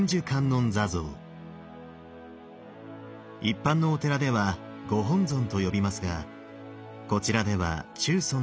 一般のお寺ではご本尊と呼びますがこちらでは中尊と呼ばれます。